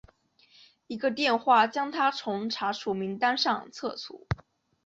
一个电话将他从查处名单上撤除。